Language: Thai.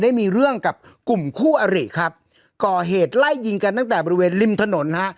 ได้มีเรื่องกับกลุ่มคู่อริครับก่อเหตุไล่ยิงกันตั้งแต่บริเวณริมถนนฮะ